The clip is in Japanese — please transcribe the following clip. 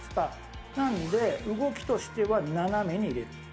なので動きとしては斜めに入れる。